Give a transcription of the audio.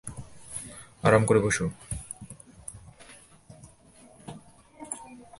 আরাম করে বসো।